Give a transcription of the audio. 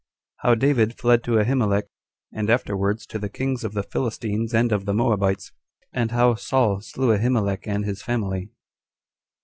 How David Fled To Ahimelech And Afterwards To The Kings Of The Philistines And Of The Moabites, And How Saul Slew Ahimelech And His Family.